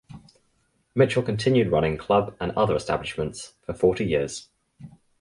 Mitchell continued running club and other establishments for forty tears.